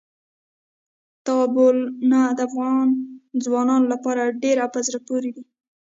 تالابونه د افغان ځوانانو لپاره ډېره په زړه پورې دي.